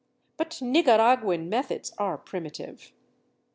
But Nicaraguan methods are primitive."